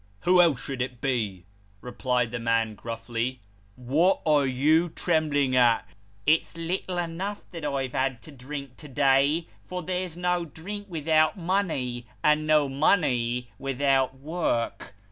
" Who else should it be ?" replied the man gruffly. " What are you trembling at? It's little enough that I've had to drink to day, for there's no drink without money, and no money without work.